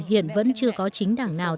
hiện vẫn chưa có chính đảng nào